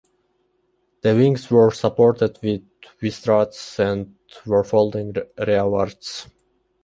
The wings were supported with V-struts and were folding rearwards.